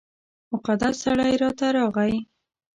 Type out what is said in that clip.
مقدس سړی راته راغی.